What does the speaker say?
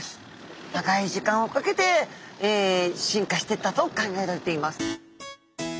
長い時間をかけて進化していったと考えられています。